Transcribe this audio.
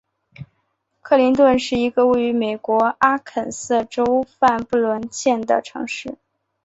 克林顿是一个位于美国阿肯色州范布伦县的城市。